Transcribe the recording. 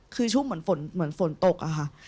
คือชุ่มเหมือนฝนตกอะค่ะ